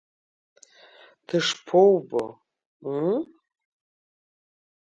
Дышԥоубо, ыы?